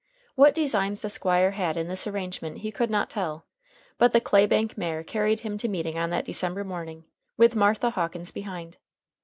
What designs the Squire had in this arrangement he could not tell; but the clay bank mare carried him to meeting on that December morning, with Martha Hawkins behind.